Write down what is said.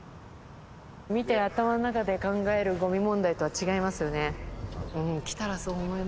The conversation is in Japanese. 見て頭の中で考えるごみ問題とは違いますよね。